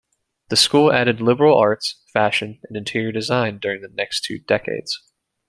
The school added liberal arts, fashion, and interior design during the next two decades.